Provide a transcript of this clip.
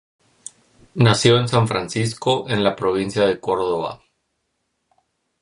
Nació en San Francisco en la provincia de Córdoba.